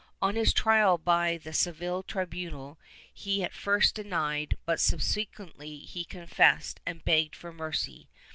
On his trial by the Seville tribunal he at first denied, but subse quently he confessed and begged for mercy.